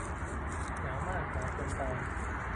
หนาวมาก หนาวเกินไป